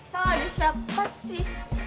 soal siapa sih